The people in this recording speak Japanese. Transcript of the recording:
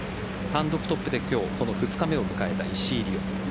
単独トップで今日この２日目を迎えた石井理緒。